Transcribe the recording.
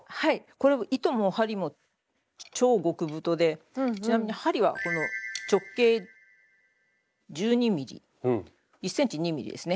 これ糸も針も超極太でちなみに針はこの直径１２ｍｍ１ｃｍ２ｍｍですね。